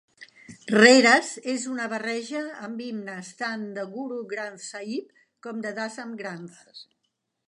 Rehras és una barreja amb himnes tant de Guru Granth Sahib com de Dasam Granth.